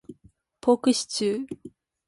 ポークシチュー